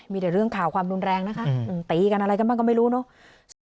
มีแต่เรื่องข่าวความรุนแรงนะคะตีกันอะไรกันบ้างก็ไม่รู้เนอะ